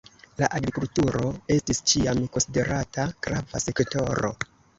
La agrikulturo estis ĉiam konsiderata grava sektoro.